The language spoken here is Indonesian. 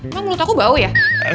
emang mulut aku bau ya